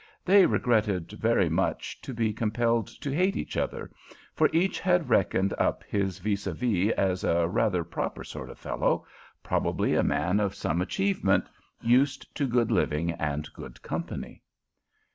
They regretted very much to be compelled to hate each other, for each had reckoned up his vis à vis as a rather proper sort of fellow, probably a man of some achievement, used to good living and good company.